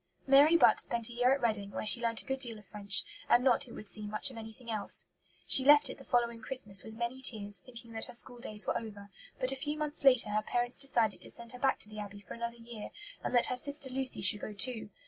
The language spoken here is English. '" Mary Butt spent a year at Reading, where she learnt a good deal of French, and not, it would seem, much of anything else. She left it the following Christmas with many tears, thinking that her school days were over; but a few months later her parents decided to send her back to the Abbey for another year, and that her sister Lucy should go too.